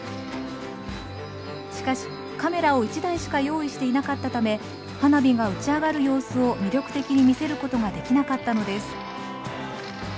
しかしカメラを１台しか用意していなかったため花火が打ち上がる様子を魅力的に見せることができなかったのです。